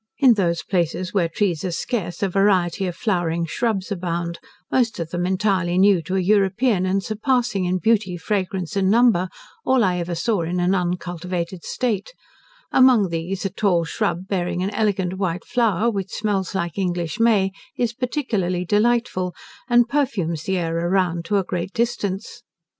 In those places where trees are scarce, a variety of flowering shrubs abound, most of them entirely new to an European, and surpassing in beauty, fragrance, and number, all I ever saw in an uncultivated state: among these, a tall shrub, bearing an elegant white flower, which smells like English May, is particularly delightful, and perfumes the air around to a great distance.